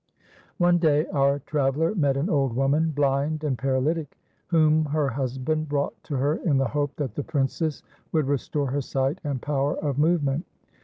One day, our traveller met an old woman, blind and paralytic, whom her husband brought to her in the hope that the princess would restore her sight and power of movement.